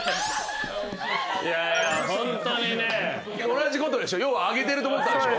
同じことでしょ。